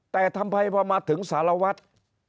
แต่ทำไมพอมาถึงสารวัตร